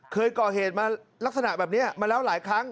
เคยก่อเหตุมาลักษณะแบบนี้มาแล้วหลายครั้ง